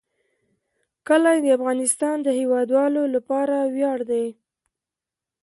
کلي د افغانستان د هیوادوالو لپاره ویاړ دی.